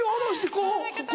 こう！